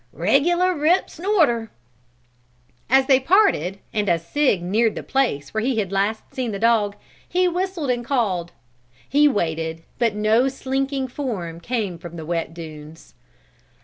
"Regular rip snorter!" They parted, and as Sig neared the place where he had last seen the dog he whistled and called. He waited, but no slinking form came from the wet sand dunes.